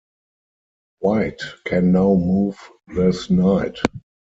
White can now move this knight.